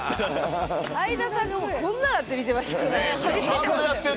相田さんがこんなになってみてましたね。